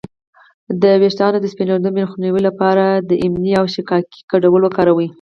د ویښتو د سپینیدو مخنیوي لپاره د املې او شیکاکای ګډول وکاروئ